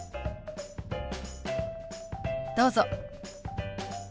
どうぞ。